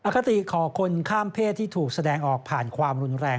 คติขอคนข้ามเพศที่ถูกแสดงออกผ่านความรุนแรง